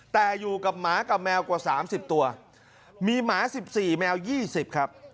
แต่อยู่กับหมากับแมวกว่า๓๐ตัวมีหมา๑๔แมว๒๐ครับ